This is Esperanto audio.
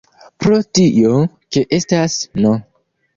Pro tio ke estas "n!